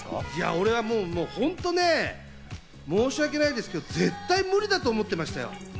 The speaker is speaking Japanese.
これは本当ね、申し訳ないですけど、絶対無理だと思ってました。